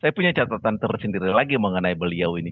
saya punya catatan tersendiri lagi mengenai beliau ini